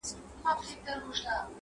د هیڅ شي یې کمی نه وو په بدن کي-